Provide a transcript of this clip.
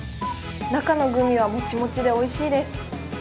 中のグミはもちもちでおいしいです。